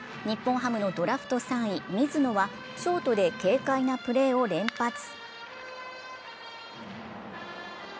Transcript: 日本ハムのドラフト３位・水野はショートで軽快なプレーを連発。